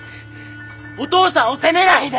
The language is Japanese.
お父さんを責めないで！